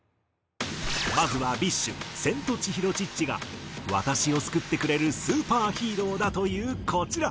まずはＢｉＳＨセントチヒロ・チッチが私を救ってくれるスーパーヒーローだというこちら。